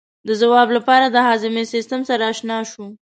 د ځواب لپاره د هاضمې سیستم سره آشنا شو.